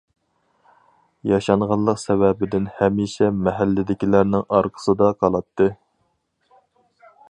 ياشانغانلىق سەۋەبىدىن ھەمىشە مەھەللىدىكىلەرنىڭ ئارقىسىدا قالاتتى.